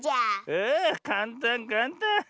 ああかんたんかんたん。